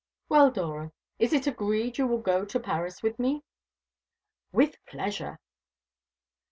Well, Dora, it is agreed you will go to Paris with me?" "With pleasure."